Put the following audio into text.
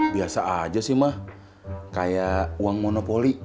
biasa aja sih mah kayak uang monopoli